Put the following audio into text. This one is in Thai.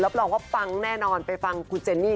แล้วบอกว่าปั๊งแน่นอนไปฟังคุณเจนนี่